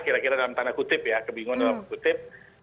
kira kira dalam tanda kutip ya kebingungan dalam kutip